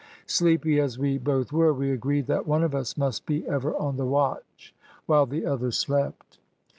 Sleepy as we both were, we agreed that one of us must be ever on the watch, while the other slept.